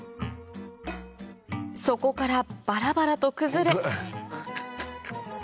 そこからバラバラと崩れ